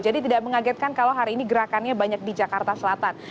jadi tidak mengagetkan kalau hari ini gerakannya banyak di jakarta selatan